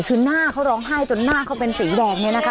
คือหน้าเขาร้องไห้จนหน้าเขาเป็นสีแดงเนี่ยนะคะ